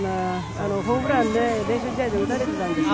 ホームラン、練習試合では打たれているんですよ。